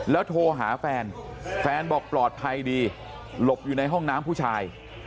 โทรหาแฟนแฟนบอกปลอดภัยดีหลบอยู่ในห้องน้ำผู้ชาย